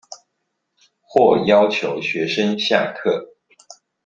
或要求學生下課